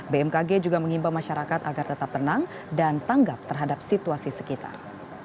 bmkg juga mengimbau masyarakat agar tetap tenang dan tanggap terhadap situasi sekitar